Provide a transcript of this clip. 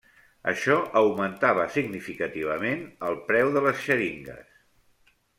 Això augmentava significativament el preu de les xeringues.